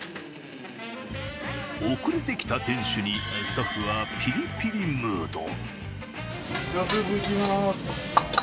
遅れてきた店主にスタッフはピリピリムード。